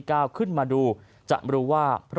พลเอกเปรยุจจันทร์โอชานายกรัฐมนตรีพลเอกเปรยุจจันทร์โอชานายกรัฐมนตรี